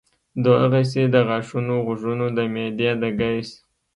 دغسې د غاښونو ، غوږونو ، د معدې د ګېس ،